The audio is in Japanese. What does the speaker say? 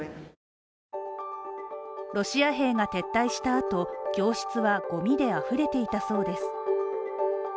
ロシア兵が撤退した後、教室はゴミであふれていたそうです。